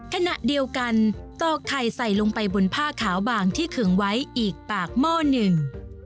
ขณะเดียวกันตอกไข่ใส่ลงไปบนผ้าขาวบางที่ขึงไว้อีกปากหม้อหนึ่ง